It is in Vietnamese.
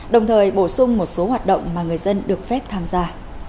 đồng thời bổ sung một số hoạt động mà người dân được phép tham gia